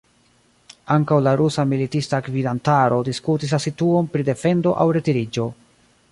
Ankaŭ la rusa militista gvidantaro diskutis la situon pri defendo aŭ retiriĝo.